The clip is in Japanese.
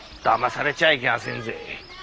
だまされちゃいけませんぜ。